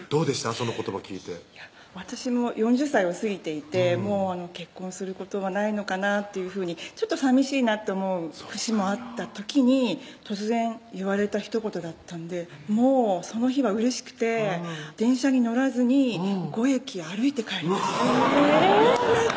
その言葉聞いて私も４０歳を過ぎていてもう結婚することはないのかなっていうふうにちょっとさみしいなって思う節もあった時に突然言われたひと言だったんでもうその日はうれしくて電車に乗らずに５駅歩いて帰りました